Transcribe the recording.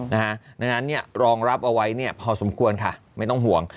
ดังนั้นรองรับเอาไว้พอสมควรค่ะไม่ต้องห่วง